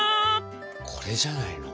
これじゃないの？